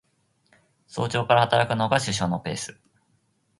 早朝から働くのが首相のペース